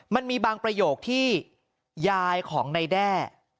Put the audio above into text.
มันมีบางประโยคที่ยายของนายแด้